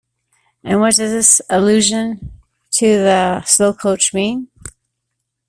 And what does this allusion to the slow coach mean?